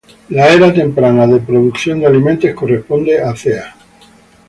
La Era Temprana de Producción de Alimentos corresponde a ca.